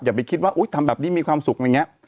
อย่าไปคิดว่าทำแบบนี้มีความสุขแบบนี้